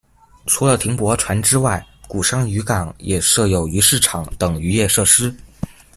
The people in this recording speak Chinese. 除了停泊船只外，鼓山渔港也设有鱼市场等渔业设施。